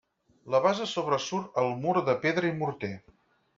La base sobresurt al mur de pedra i morter.